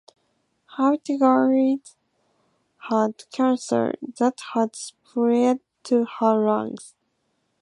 Habtegiris had cancer that had spread to her lungs.